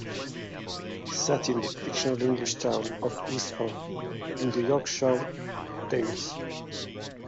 Set in the fictional English town of Eastvale in the Yorkshire Dales.